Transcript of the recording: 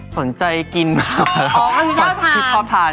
สนใจกินมาก